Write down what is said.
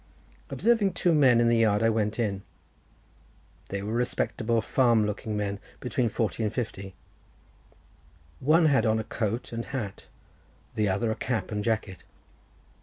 Observing two men in the yard, I went in. They were respectable, farming looking men, between forty and fifty; one had on a coat and hat, the other a cap and jacket.